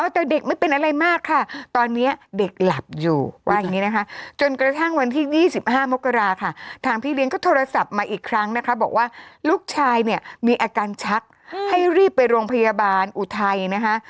แต่เด็กไม่เป็นอะไรมากค่ะตอนนี้เด็กหลับอยู่ว่าอย่างนี้นะคะจนกระทั่งวันที่๒๕มกราค่ะทางพี่เลี้ยงก็โทรศัพท์มาอีกครั้งนะคะบอกว่าลูกชายเนี่ยมีอาการชักให้รีบไปโรงพยาบาลอุทัยนะคะ